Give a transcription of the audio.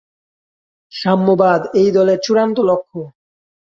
সাম্যবাদ এই দলের চূড়ান্ত লক্ষ্য।